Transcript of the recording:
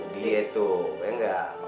gitu kayak gak